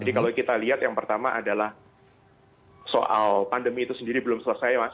jadi kalau kita lihat yang pertama adalah soal pandemi itu sendiri belum selesai mas